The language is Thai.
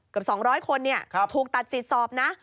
๒๐๐คนถูกตัดสิทธิ์สอบนะ